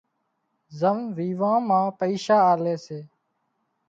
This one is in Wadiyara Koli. زم ويوان مان پئيشا آلي سي